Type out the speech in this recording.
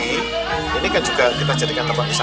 ini kan juga kita jadikan tempat wisata